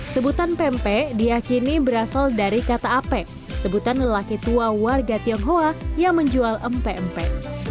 sebutan pempek diakini berasal dari kata apek sebutan lelaki tua warga tionghoa yang menjual empe empe